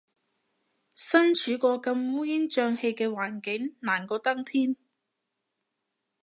身處個咁烏煙瘴氣嘅環境，難過登天